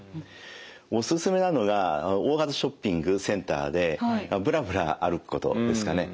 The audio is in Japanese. おすすめなのが大型ショッピングセンターでぶらぶら歩くことですかね。